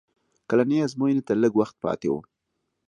کلنۍ ازموینې ته لږ وخت پاتې و